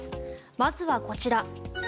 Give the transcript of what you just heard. まずはこちら。